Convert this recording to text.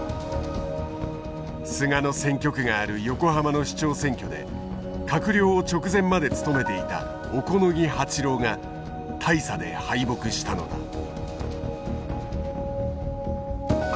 菅の選挙区がある横浜の市長選挙で閣僚を直前まで務めていた小此木八郎が大差で敗北したのだ。